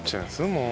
もう。